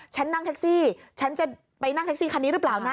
ฉันนั่งแท็กซี่ฉันจะไปนั่งแท็กซี่คันนี้หรือเปล่านะ